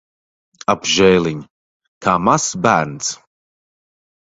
Apžēliņ! Kā mazs bērns.